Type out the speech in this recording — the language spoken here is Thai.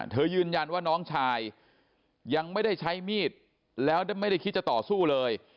ยืนยันว่าน้องชายยังไม่ได้ใช้มีดแล้วไม่ได้คิดจะต่อสู้เลย